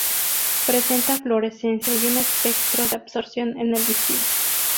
Presentan fluorescencia y un espectro de absorción en el visible.